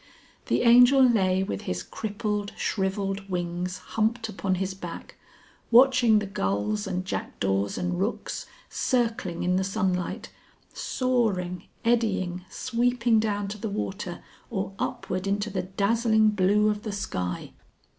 The Angel lay with his crippled, shrivelled wings humped upon his back, watching the gulls and jackdaws and rooks, circling in the sunlight, soaring, eddying, sweeping down to the water or upward into the dazzling blue of the sky.